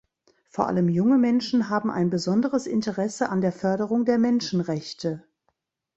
Vor allem junge Menschen haben ein besonderes Interesse an der Förderung der Menschenrechte.